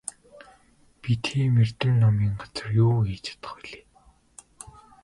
Би тийм эрдэм номын газар юу хийж чадах билээ?